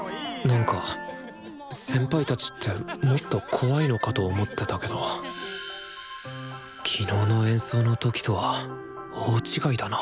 なんか先輩たちってもっと怖いのかと思ってたけど昨日の演奏の時とは大違いだな